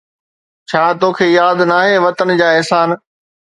ڇا توکي ياد ناهي وطن جا احسان؟